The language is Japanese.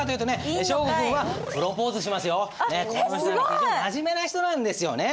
非常に真面目な人なんですよね。